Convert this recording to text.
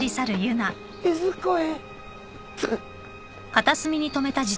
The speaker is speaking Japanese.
いずこへ？